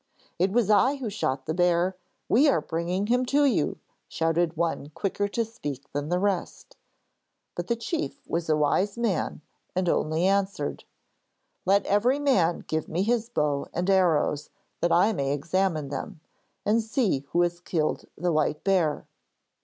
'It was I who shot the bear; we are bringing him to you,' shouted one quicker to speak than the rest; but the chief was a wise man, and only answered: 'Let every man give me his bow and arrows, that I may examine them, and see who has killed the white bear.'